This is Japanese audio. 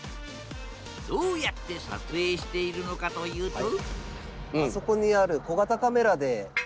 どうやって撮影しているのかというとあ！